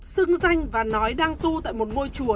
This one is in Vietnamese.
xưng danh và nói đang tu tại một ngôi chùa